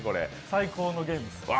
最高のゲームです。